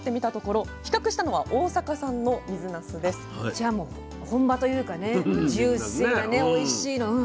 じゃあもう本場というかねジューシーでねおいしいの。